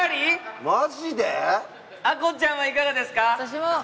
あこちゃんはいかがですか？